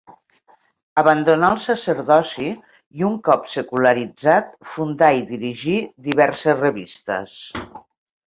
Abandonà el sacerdoci i un cop secularitzat fundà i dirigí diverses revistes.